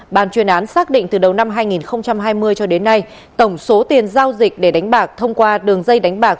bàn chuyên án xác định từ đầu năm hai nghìn hai mươi cho đến nay tổng số tiền giao dịch để đánh bạc thông qua đường dây đánh bạc